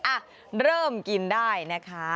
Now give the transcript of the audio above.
อ่ะเริ่มกินได้นะคะ